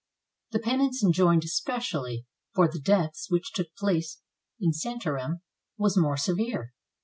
The penance enjoined especially for the deaths which took place in Santarem was more severe.